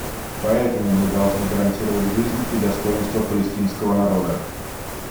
Поэтому мы должны гарантировать жизнь и достоинство палестинского народа.